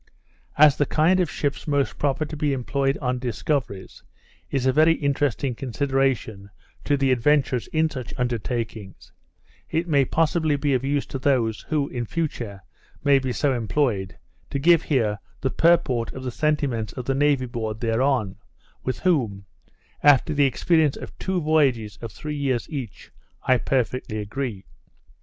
As the kind of ships most proper to be employed on discoveries, is a very interesting consideration to the adventurers in such undertakings, it may possibly be of use to those, who, in future, may be so employed, to give here the purport of the sentiments of the Navy board thereon, with whom, after the experience of two voyages of three years each, I perfectly agree.